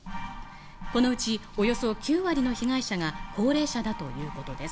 このうちおよそ９割の被害者が高齢者だということです。